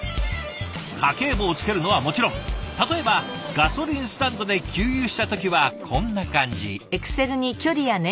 家計簿をつけるのはもちろん例えばガソリンスタンドで給油した時はこんな感じ。